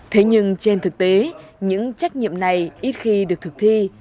thế nhưng trên thực tế những trách nhiệm này ít khi được thực thi